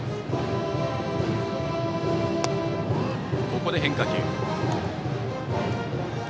ここで変化球。